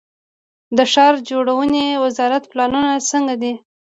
د ښار جوړونې وزارت پلانونه څنګه دي؟